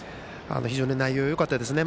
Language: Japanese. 非常に内容よかったですね。